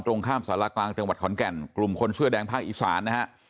ตรงข้ามสารกลางจังหวัดขอนแก่นกลุ่มคนเสื้อแดงภาคอีสานนะฮะ